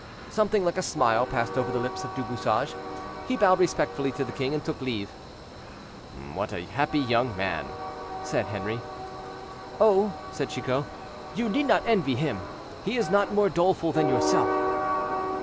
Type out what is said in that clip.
Something like a smile passed over the lips of Du Bouchage; he bowed respectfully to the king and took leave. "What a happy young man," said Henri. "Oh!" said Chicot, "you need not envy him; he is not more doleful than yourself."